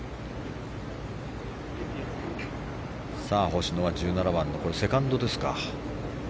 星野は１７番のセカンドですか。